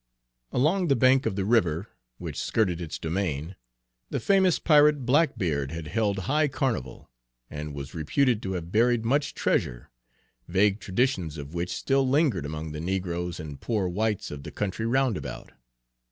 Along the bank of the river which skirted its domain the famous pirate Blackbeard had held high carnival, and was reputed to have buried much treasure, vague traditions of which still lingered among the negroes and poor whites of the country roundabout.